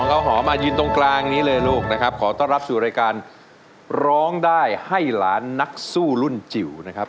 ข้าวหอมายืนตรงกลางนี้เลยลูกนะครับขอต้อนรับสู่รายการร้องได้ให้ล้านนักสู้รุ่นจิ๋วนะครับ